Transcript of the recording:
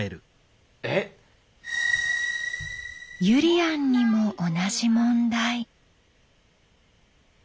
ゆりやんにも同じ問題。